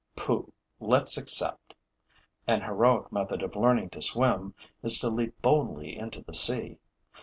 Pooh, let's accept! An heroic method of learning to swim is to leap boldly into the sea.